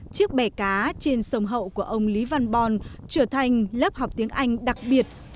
chiếc bẻ cá trên sông hậu của ông lý văn bon trở thành lớp học tiếng anh đặc biệt